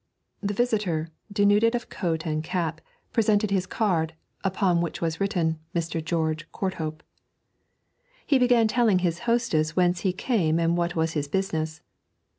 The visitor, denuded of coat and cap, presented his card, upon which was written, 'Mr. George Courthope.' He began telling his hostess whence he came and what was his business.